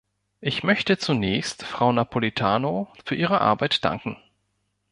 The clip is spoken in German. Ich möchte zunächst Frau Napoletano für ihre Arbeit danken.